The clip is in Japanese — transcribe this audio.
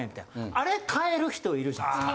あれ変える人いるじゃないですか。